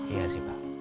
iya sih pak